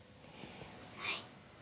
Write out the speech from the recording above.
はい。